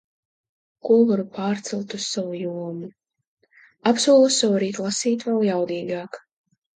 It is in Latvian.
Ko varu pārcelt uz savu jomu... Apsolos sev rīt lasīt vēl jaudīgāk.